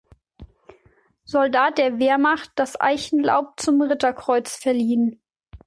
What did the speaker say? Soldat der Wehrmacht das Eichenlaub zum Ritterkreuz verliehen.